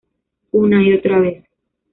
Una y otra vez.